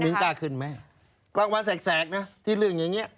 กล้าขึ้นไหมกลางวันแสกนะที่เรื่องอย่างเงี้